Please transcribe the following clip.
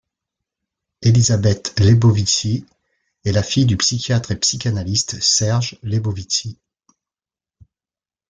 Élisabeth Lebovici est la fille du psychiatre et psychanalyste Serge Lebovici.